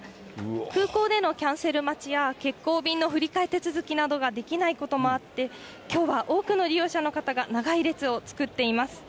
空港でのキャンセル待ちや、欠航便の振り替え手続きなどができないこともあって、きょうは多くの利用者の方が長い列を作っています。